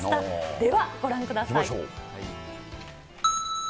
では、ご覧ください。